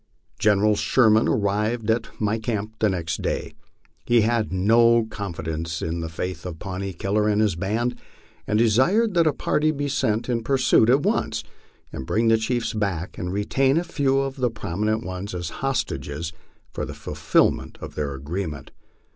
General Sherman arrived at my camp next day. He had no confidence in the faith of Pawnee Killer and his band, and desired that a party be sent in pursuit at once, and bring the chiefs back and retain a few of the prominent ones as hostages for the fulfilment of their agreement.